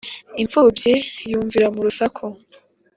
Impfubyi yunvira mu rusaku.